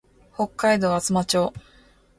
北海道厚真町